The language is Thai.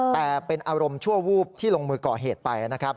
แต่เป็นอารมณ์ชั่ววูบที่ลงมือก่อเหตุไปนะครับ